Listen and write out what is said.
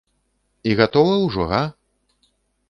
І гатова ўжо, га?